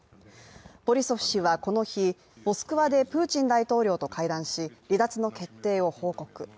ボリソフ氏はこの日、モスクワでプーチン大統領と会談し、離脱の決定を報告。